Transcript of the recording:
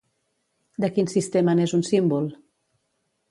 De quin sistema n'és un símbol?